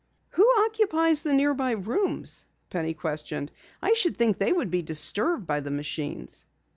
"Who occupies the nearby rooms?" Penny questioned. "I should think they would be disturbed by the machines."